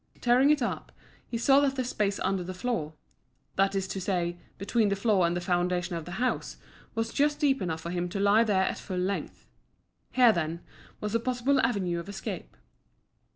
Tearing it up, he saw that the space under the floor that is to say, between the floor and the foundation of the house was just deep enough for him to lie there at full length. Here, then, was a possible avenue of escape.